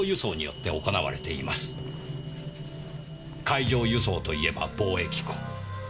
海上輸送といえば貿易港。